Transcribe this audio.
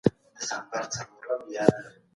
باطل په مابينځ کي يوازي تفرقه اچوی.